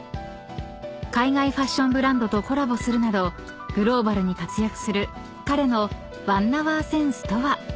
［海外ファッションブランドとコラボするなどグローバルに活躍する彼の］